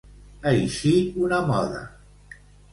Eixir una moda.